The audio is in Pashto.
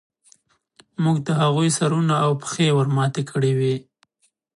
موږ د هغوی سرونه او پښې ورماتې کړې وې